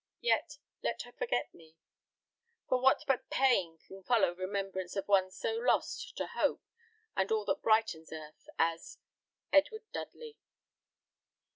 Yet, let her forget me; for what but pain can follow remembrance of one so lost to hope and all that brightens earth as "Edward Dudley."